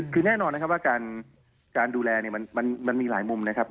คือแน่นอนนะครับว่าการดูแลเนี่ยมันมีหลายมุมนะครับ